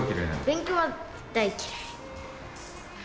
勉強は大嫌い。